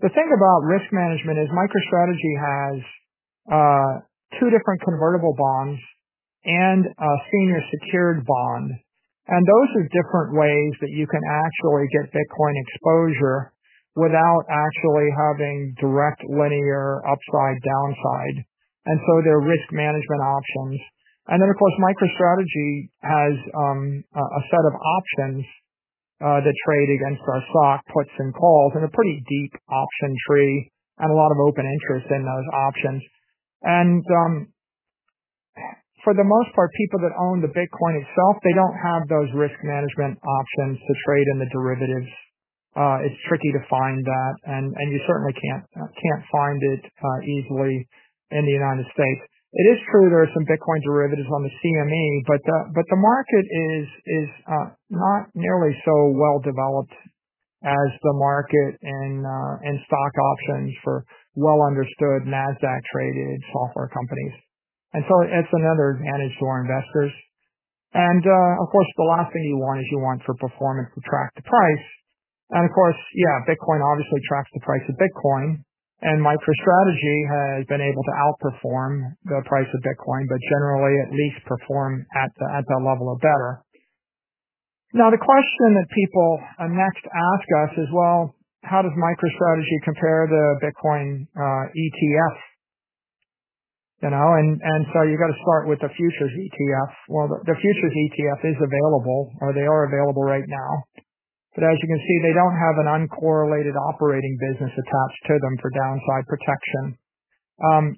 Speaker 4: the thing about risk management is MicroStrategy has two different convertible bonds and a senior secured bond, and those are different ways that you can actually get Bitcoin exposure without actually having direct linear upside, downside, and so they're risk management options. Of course, MicroStrategy has a set of options that trade against our stock, puts and calls, and a pretty deep option tree and a lot of open interest in those options. For the most part, people that own the Bitcoin itself, they don't have those risk management options to trade in the derivatives. It's tricky to find that, and you certainly can't find it easily in the United States. It is true there are some Bitcoin derivatives on the CME, but the market is not nearly so well developed as the market in stock options for well-understood, NASDAQ-traded software companies. It's another advantage to our investors. Of course, the last thing you want is you want your performance to track the price. Of course, Bitcoin obviously tracks the price of Bitcoin, and MicroStrategy has been able to outperform the price of Bitcoin, but generally at least perform at the level or better. The question that people next ask us is: How does MicroStrategy compare to Bitcoin ETF? You've got to start with the futures ETF. The futures ETF is available, or they are available right now, but as you can see, they don't have an uncorrelated operating business attached to them for downside protection.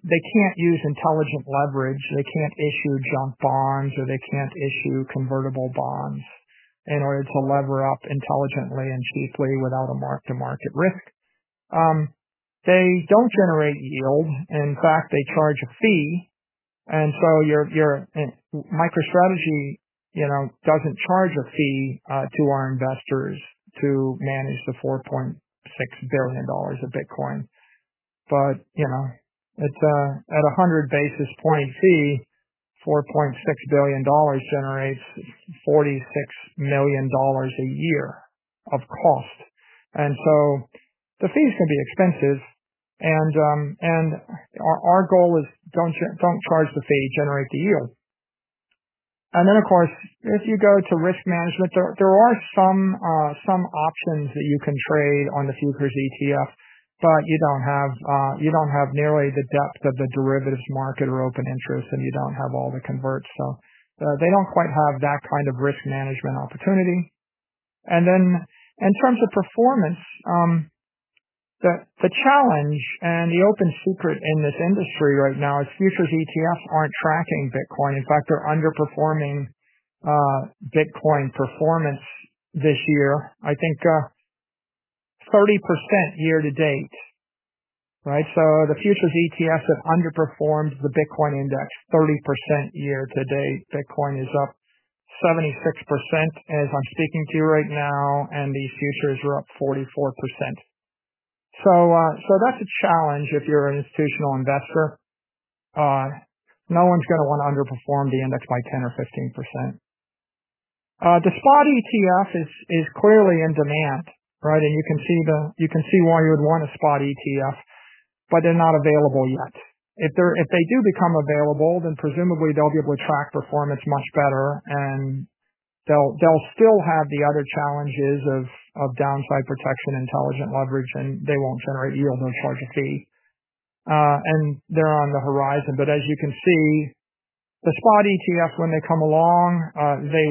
Speaker 4: They can't use intelligent leverage. They can't issue junk bonds, or they can't issue convertible bonds in order to lever up intelligently and cheaply without a mark-to-market risk. They don't generate yield. In fact, they charge a fee. MicroStrategy, you know, doesn't charge a fee to our investors to manage the $4.6 billion of Bitcoin. You know, it's at a 100 basis point fee, $4.6 billion generates $46 million a year of cost. The fees can be expensive and our, our goal is don't charge the fee, generate the yield. Of course, if you go to risk management, there, there are some some options that you can trade on the futures ETF, but you don't have you don't have nearly the depth of the derivatives market or open interest, and you don't have all the converts. They don't quite have that kind of risk management opportunity. In terms of performance, the challenge and the open secret in this industry right now is futures ETF aren't tracking Bitcoin. In fact, they're underperforming Bitcoin performance this year, I think, 30% year-to-date, right? The futures ETF have underperformed the Bitcoin index 30% year-to-date. Bitcoin is up 76% as I'm speaking to you right now, and these futures are up 44%. That's a challenge if you're an institutional investor. No one's gonna wanna underperform the index by 10% or 15%. The spot ETF is clearly in demand, right? You can see why you would want a spot ETF, but they're not available yet. If they do become available, then presumably they'll be able to track performance much better, and they'll still have the other challenges of downside protection, intelligent leverage, and they won't generate yields or charge a fee. They're on the horizon, but as you can see, the spot ETF, when they come along, they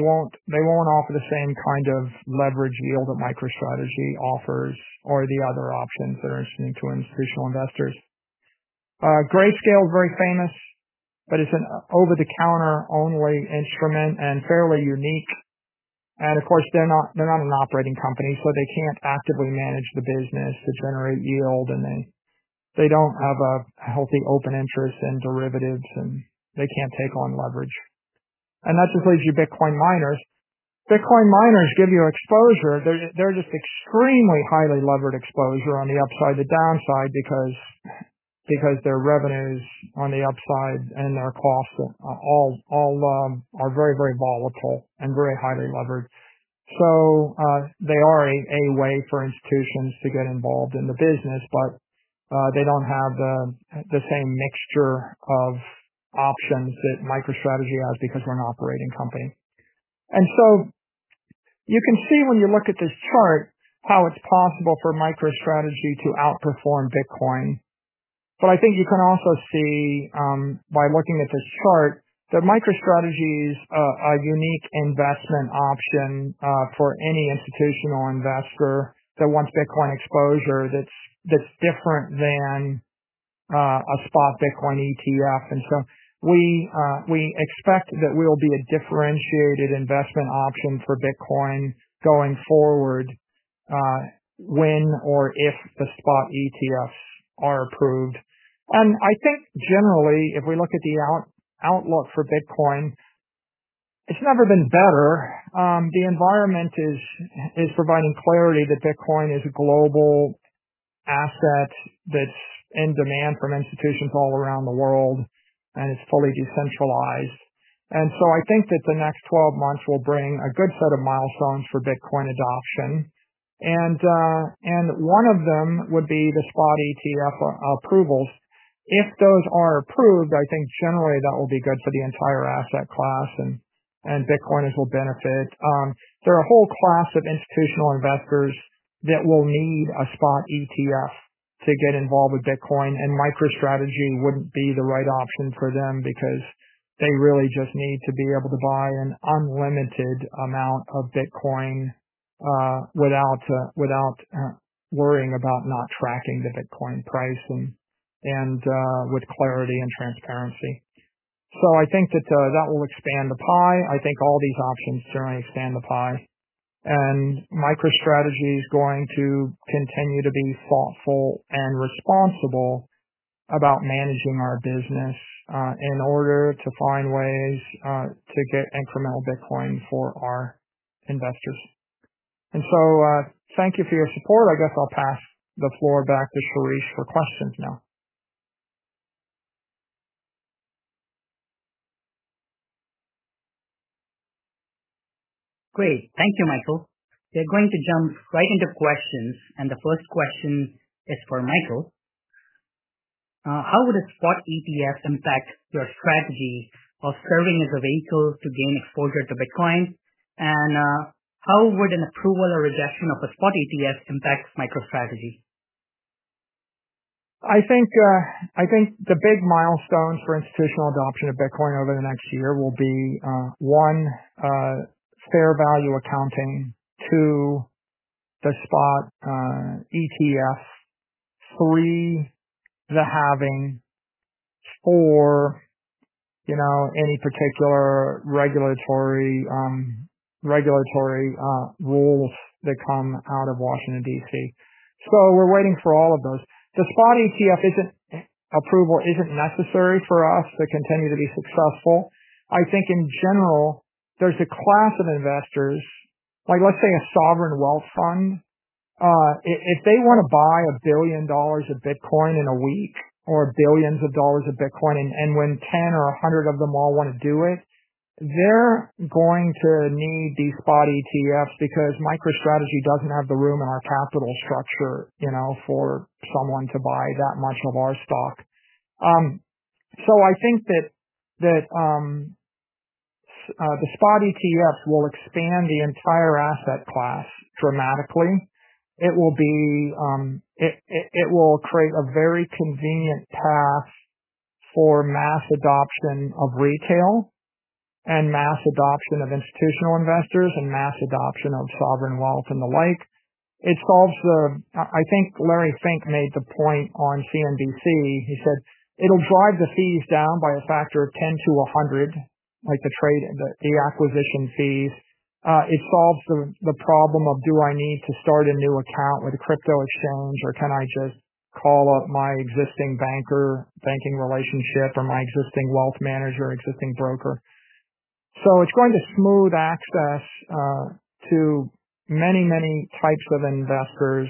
Speaker 4: won't offer the same kind of leverage yield that MicroStrategy offers or the other options that are interesting to institutional investors. Grayscale, very famous, but it's an over-the-counter only instrument and fairly unique. Of course, they're not an operating company, so they can't actively manage the business to generate yield, and they don't have a healthy open interest in derivatives, and they can't take on leverage. That just leaves you Bitcoin miners. Bitcoin miners give you exposure. They're, they're just extremely highly levered exposure on the upside, the downside, because, because their revenues on the upside and their costs are all, all, are very, very volatile and very highly levered. They are a, a way for institutions to get involved in the business, but they don't have the same mixture of options that MicroStrategy has because we're an operating company. You can see when you look at this chart, how it's possible for MicroStrategy to outperform Bitcoin. I think you can also see, by looking at this chart, that MicroStrategy is a, a unique investment option for any institutional investor that wants Bitcoin exposure that's, that's different than a spot Bitcoin ETF. We expect that we'll be a differentiated investment option for Bitcoin going forward, when or if the spot ETFs are approved. I think generally, if we look at the outlook for Bitcoin, it's never been better. The environment is providing clarity that Bitcoin is a global asset that's in demand from institutions all around the world, and it's fully decentralized. I think that the next 12 months will bring a good set of milestones for Bitcoin adoption. One of them would be the spot ETF approvals. If those are approved, I think generally that will be good for the entire asset class, and Bitcoiners will benefit. There are a whole class of institutional investors that will need a spot ETF to get involved with Bitcoin, and MicroStrategy wouldn't be the right option for them because they really just need to be able to buy an unlimited amount of Bitcoin, without, without, worrying about not tracking the Bitcoin price and, and, with clarity and transparency. I think that, that will expand the pie. I think all these options generally expand the pie, and MicroStrategy is going to continue to be thoughtful and responsible about managing our business, in order to find ways, to get incremental Bitcoin for our investors. Thank you for your support. I guess I'll pass the floor back to Shirish for questions now.
Speaker 1: Great. Thank you, Michael. We're going to jump right into questions, and the first question is for Michael. How would a spot ETF impact your strategy of serving as a vehicle to gain exposure to Bitcoin? How would an approval or rejection of a spot ETF impact MicroStrategy?
Speaker 4: I think, I think the big milestones for institutional adoption of Bitcoin over the next year will be: one, fair value accounting, two, the spot ETF, three, the halving, four, you know, any particular regulatory, regulatory rules that come out of Washington, D.C. We're waiting for all of those. The spot ETF approval isn't necessary for us to continue to be successful. I think in general, there's a class of investors, like, let's say, a sovereign wealth fund. If they want to buy $1 billion of Bitcoin in a week or billions of dollars of Bitcoin, and when 10 or 100 of them all want to do it, they're going to need these spot ETFs because MicroStrategy doesn't have the room in our capital structure, you know, for someone to buy that much of our stock. I think the spot ETFs will expand the entire asset class dramatically. It will be. It will create a very convenient path for mass adoption of retail and mass adoption of institutional investors and mass adoption of sovereign wealth and the like. It solves the. I think Larry Fink made the point on CNBC. He said it'll drive the fees down by a factor of 10 to 100, like the trade, the acquisition fees. It solves the problem of, "Do I need to start a new account with a crypto exchange, or can I just call up my existing banker, banking relationship, or my existing wealth manager, existing broker?" It's going to smooth access to many, many types of investors.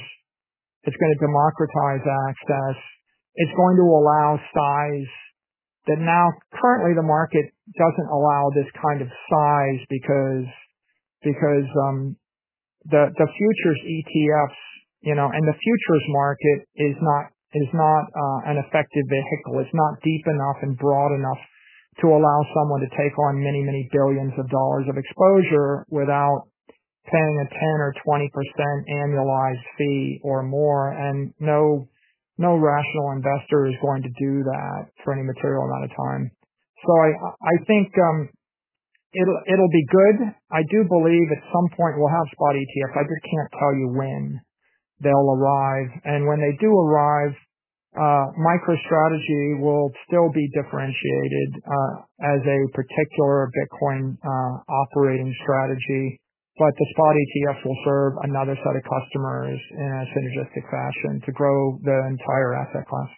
Speaker 4: It's gonna democratize access. It's going to allow size that now currently the market doesn't allow this kind of size because, because the futures ETFs, you know, and the futures market is not, is not an effective vehicle. It's not deep enough and broad enough to allow someone to take on many, many billions of dollars of exposure without paying a 10% or 20% annualized fee or more. No, no rational investor is going to do that for any material amount of time. I, I think, it'll, it'll be good. I do believe at some point we'll have spot ETF. I just can't tell you when they'll arrive. When they do arrive, MicroStrategy will still be differentiated as a particular Bitcoin operating strategy. The spot ETF will serve another set of customers in a synergistic fashion to grow the entire asset class.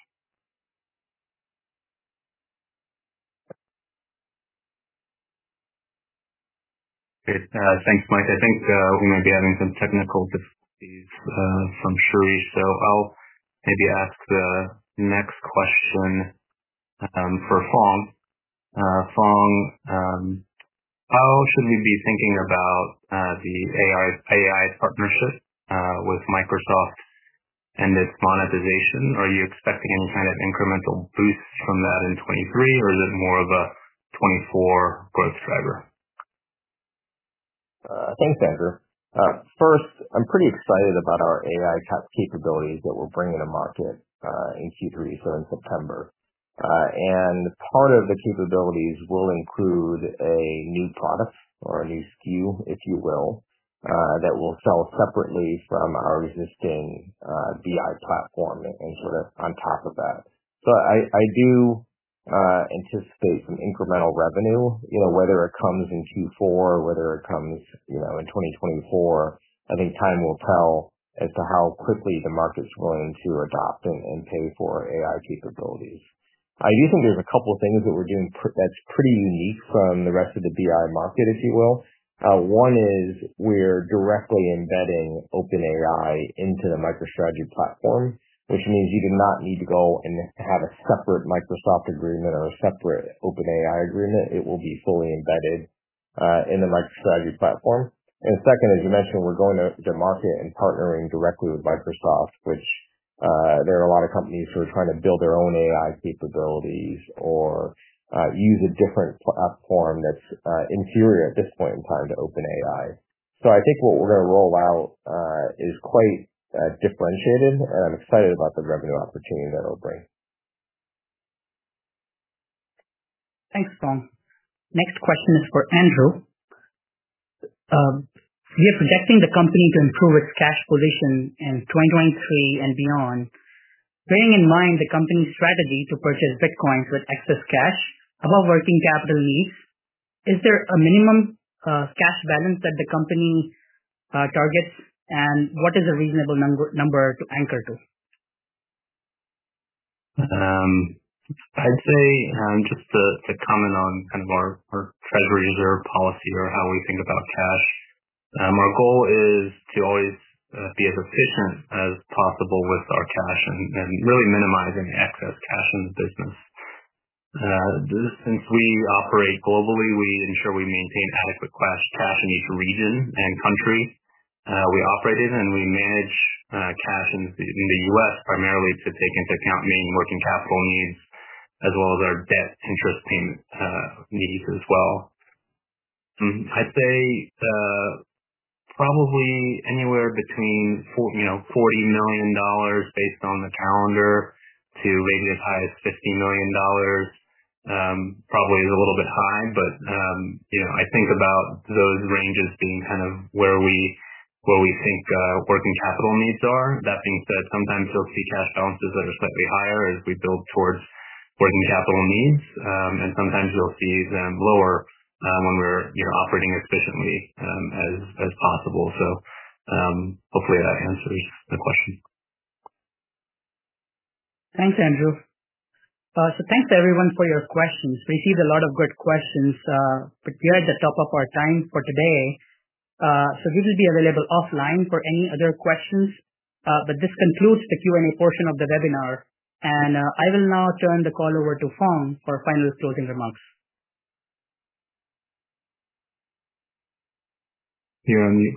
Speaker 3: Great. thanks, Mike. I think we may be having some technical difficulties, from Shirish, so I'll maybe ask the next question, for Phong. Phong, how should we be thinking about, the AI, AI partnership, with Microsoft and its monetization? Are you expecting any kind of incremental boost from that in 2023, or is it more of a 2024 growth driver?
Speaker 2: Thanks, Andrew. First, I'm pretty excited about our AI capabilities that we're bringing to market in Q3, so in September. Part of the capabilities will include a new product or a new SKU, if you will, that will sell separately from our existing BI platform and sort of on top of that. I, I do anticipate some incremental revenue, you know, whether it comes in Q4, whether it comes, you know, in 2024. I think time will tell as to how quickly the market's willing to adopt and, and pay for AI capabilities. I do think there's a couple things that we're doing that's pretty unique from the rest of the BI market, if you will. One is, we're directly embedding OpenAI into the MicroStrategy platform, which means you do not need to go and have a separate Microsoft agreement or a separate OpenAI agreement. It will be fully embedded in the MicroStrategy platform. Second, as you mentioned, we're going to market and partnering directly with Microsoft, which there are a lot of companies who are trying to build their own AI capabilities or use a different platform that's inferior at this point in time to OpenAI. I think what we're gonna roll out is quite differentiated, and I'm excited about the revenue opportunity that it'll bring.
Speaker 1: Thanks, Phong. Next question is for Andrew. You're expecting the company to improve its cash position in 2023 and beyond. Bearing in mind the company's strategy to purchase Bitcoins with excess cash above working capital needs, is there a minimum cash balance that the company targets, and what is a reasonable number to anchor to?
Speaker 3: I'd say, just to, to comment on kind of our, our treasury reserve policy or how we think about cash. Our goal is to always be as efficient as possible with our cash and, and really minimizing excess cash in the business. Since we operate globally, we ensure we maintain adequate cash, cash in each region and country, we operate in, and we manage cash in, in the U.S. primarily to take into account meeting working capital needs as well as our debt interest needs as well. I'd say, probably anywhere between you know, $40 million based on the calendar, to maybe as high as $50 million, probably is a little bit high. You know, I think about those ranges being kind of where we, where we think working capital needs are. That being said, sometimes you'll see cash balances that are slightly higher as we build towards working capital needs, and sometimes you'll see them lower, when we're, you know, operating as efficiently, as, as possible. Hopefully that answers the question.
Speaker 1: Thanks, Andrew. Thanks everyone for your questions. We received a lot of good questions, we're at the top of our time for today. We will be available offline for any other questions, this concludes the Q&A portion of the webinar. I will now turn the call over to Phong for final closing remarks.
Speaker 3: You're on mute.